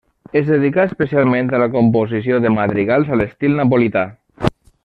Es dedicà especialment a la composició de madrigals a l'estil napolità.